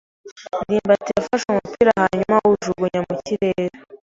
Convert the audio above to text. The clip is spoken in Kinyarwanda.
ndimbati yafashe umupira hanyuma awujugunya mu kirere.